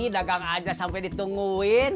nanggang aja sampe ditungguin